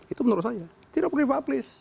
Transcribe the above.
itu menurut saya tidak perlu dipublis